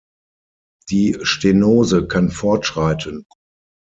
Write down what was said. Die Stenose kann fortschreiten.